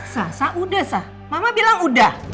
sa sa udah sa mama bilang udah